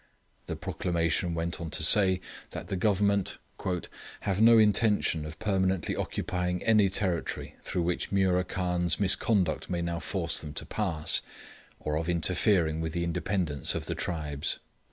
The proclamation went on to say, that the Government 'have no intention of permanently occupying any territory through which Mura Khan's misconduct may now force them to pass, or of interfering with the independence of the tribes.'